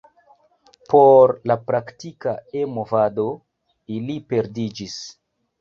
Por la praktika E-movado ili perdiĝis.